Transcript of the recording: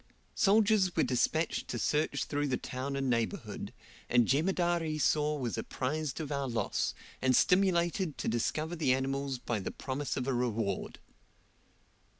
Soldiers were despatched to search through the town and neighbourhood, and Jemadar Esau was apprised of our loss, and stimulated to discover the animals by the promise of a reward.